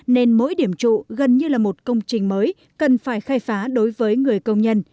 nên mỗi điểm trụ gần như là một công trình mới cần phải khai phá đối với người công nhân